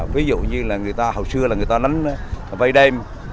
ví dụ như là người ta hầu xưa là người ta đánh vây đêm